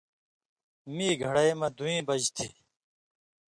مِیں گھڑئی مہ دُوئیں بج تھی۔